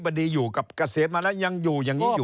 ดีอยู่กับเกษียณมาแล้วยังอยู่อย่างนี้อยู่